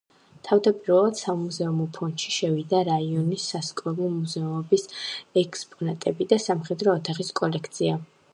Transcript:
თავდაპირველად სამუზეუმო ფონდში შევიდა რაიონის სასკოლო მუზეუმების ექსპონატები და სამხედრო ოთახის კოლექცია.